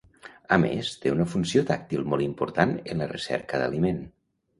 A més, té una funció tàctil molt important en la recerca d'aliment.